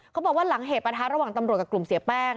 เขาบอกว่าหลังเหตุประทะระหว่างตำรวจกับกลุ่มเสียแป้ง